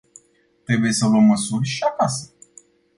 Trebuie să luăm măsuri și acasă.